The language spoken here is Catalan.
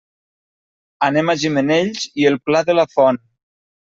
Anem a Gimenells i el Pla de la Font.